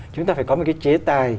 chúng ta phải có một cái chế tài